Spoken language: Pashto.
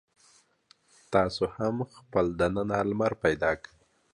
تاسې هم خپل دننه لمر پیدا کړئ.